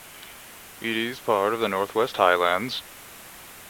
It is part of the Northwest Highlands.